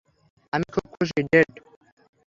আমি খুব খুশি, ডেভ।